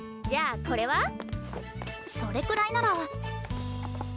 じゃあこれは？それくらいなら。